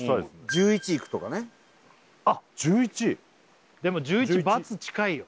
１１いくとかねあっ１１でも１１罰近いよ